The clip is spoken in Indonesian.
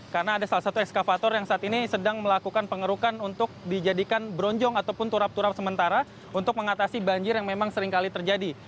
karena ada salah satu ekskavator yang saat ini sedang melakukan pengerukan untuk dijadikan bronjong ataupun turap turap sementara untuk mengatasi banjir yang memang seringkali terjadi